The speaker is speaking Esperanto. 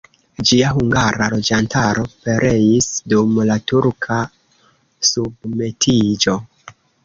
Ĝia hungara loĝantaro pereis dum la turka submetiĝo.